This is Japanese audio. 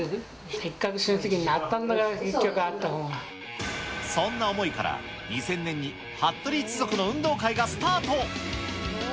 せっかく親戚になったんだから、そんな思いから、２０００年に服部一族の運動会がスタート。